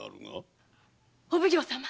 お奉行様。